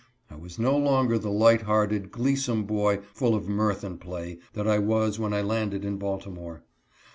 I was no longer the JLight hearted, glee some boy full of mirth and play, that I was when I landed in Baltimore.